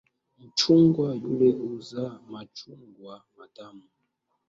Mchungwa ule huzaa machungwa matamu.